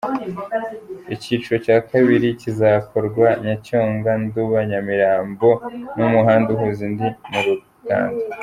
Icyiciro cya kabiri kizakorwa Nyacyonga, Nduba, Nyamirambo n’umuhanda uhuza indi mu Rugando.